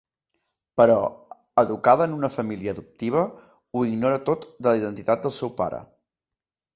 Però, educada en una família adoptiva, ho ignora tot de la identitat del seu pare.